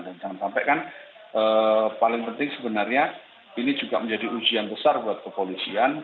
dan jangan sampai kan paling penting sebenarnya ini juga menjadi ujian besar buat kepolisian